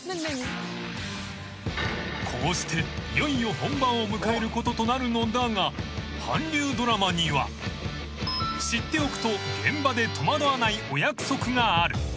［こうしていよいよ本番を迎えることとなるのだが韓流ドラマには］［知っておくと現場で戸惑わないお約束がある］